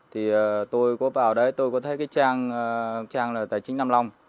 thì tôi có vào đấy tôi có thấy cái trang tài chính nam long